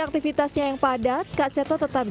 aktivitasnya yang padat kak seto tetap